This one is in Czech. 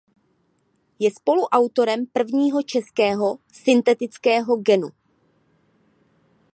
Je spoluautorem prvního českého syntetického genu.